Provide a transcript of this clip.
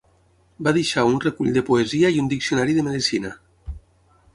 Va deixar un recull de poesia i un diccionari de medicina.